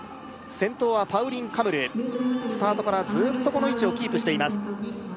先頭はパウリン・カムルスタートからずっとこの位置をキープしています